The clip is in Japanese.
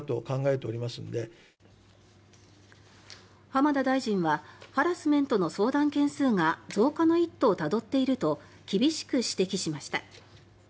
浜田大臣は「ハラスメントの相談件数が増加の一途をたどっている」と厳しく指摘しました。